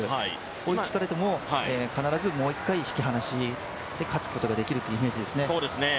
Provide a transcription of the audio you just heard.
追いつかれても必ずもう一回引き離して勝つことができるというイメージですね。